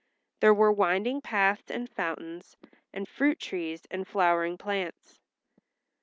There were winding paths and fountains, and fruit trees and flowering plants.